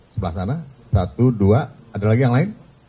sebelah sana satu dua ada lagi yang lain